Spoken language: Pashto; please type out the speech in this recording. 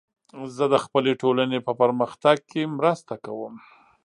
زه د خپلې ټولنې په پرمختګ کې مرسته کوم.